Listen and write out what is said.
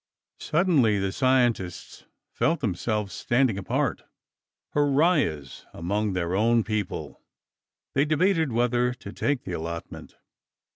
Suddenly, the scientists felt themselves standing apart, pariahs among their own people. They debated whether to take the allotment.